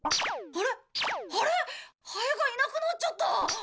ハエがいなくなっちゃった！